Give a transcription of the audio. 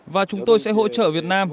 và chúng tôi sẽ hỗ trợ việt nam